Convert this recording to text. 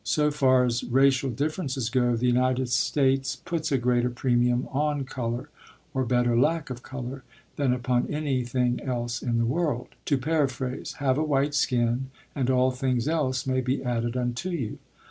So far as racial differences go, the United States puts a greater premium on color, or, better, lack of color, than upon anything else in the world. To paraphrase, "Have a white skin, and all things else may be added unto you."